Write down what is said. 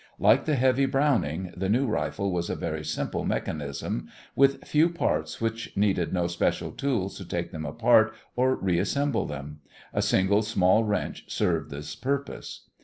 Like the heavy Browning, the new rifle was a very simple mechanism, with few parts which needed no special tools to take them apart or reassemble them; a single small wrench served this purpose.